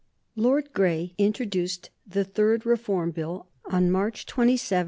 Lord Grey introduced the third Reform Bill on March 27, 1832.